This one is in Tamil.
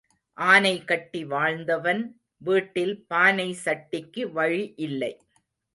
ஆனை கட்டி வாழ்ந்தவன் வீட்டில் பானை சட்டிக்கு வழி இல்லை.